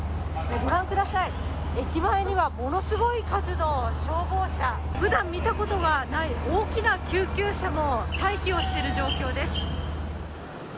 ご覧ください、手前にはものすごい数の消防車、ふだん見たことがない大きな救急車も待機をしてる状況です。